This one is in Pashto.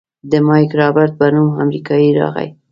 د مايک رابرټ په نوم امريکايي راغى.